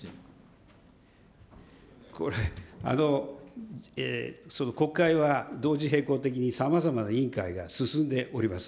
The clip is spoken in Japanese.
これ、あの、その国会は同時並行的にさまざまな委員会が進んでおります。